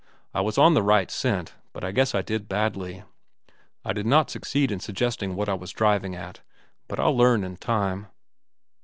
I was on the right scent, but I guess I did it badly. I did not succeed in suggesting what I was driving at. But I'll learn in time."